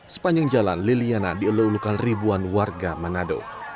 sepanjang jalan liliana dielulukan ribuan warga manado